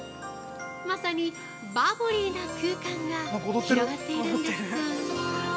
まさにバブリーな空間が広がっているんです！